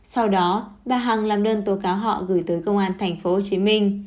sau đó bà hằng làm đơn tố cáo họ gửi tới công an tp hcm